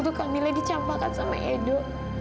lalu kamilah dicampakan sama edo